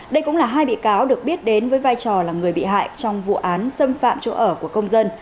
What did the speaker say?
đây cũng là hai bị cáo được biết đến với vai trò là người bị hại trong vụ án xâm phạm chỗ ở của công dân